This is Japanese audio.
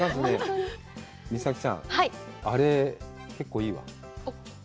美咲さん、あれ、結構いいわ。